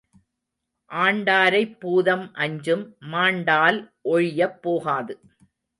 ஆண்டாரைப் பூதம் அஞ்சும் மாண்டால் ஒழியப் போகாது.